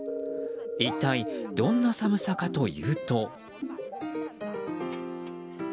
一体どんな寒さかというと。